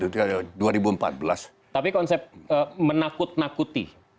tapi konsep menakut nakuti